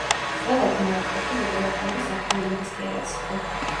ძველად მარტყოფი ლიტერატურული საქმიანობის კერაც იყო.